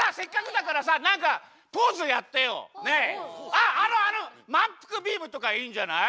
あっあのあのまんぷくビームとかいいんじゃない？